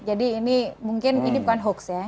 jadi ini mungkin ini bukan hoax ya